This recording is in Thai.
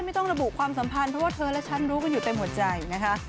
ไม่ต้องระบุความสัมพันธ์เพราะว่าเธอและฉันรู้กันอยู่เต็มหัวใจนะคะ